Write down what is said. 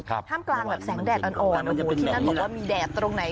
ข้ามกลางแบบแสงแดดอ่อนที่นั่นบอกว่ามีแดดตรงไหน